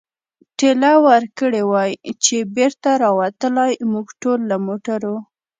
ټېله ورکړې وای، چې بېرته را وتلای، موږ ټول له موټرو.